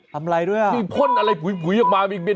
ทำอะไรด้วยอ่ะนี่พ่นอะไรอุ๋ยอุ๋ยออกมามีมี